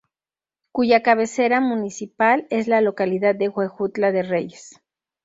Cuya cabecera municipal es la localidad de Huejutla de Reyes.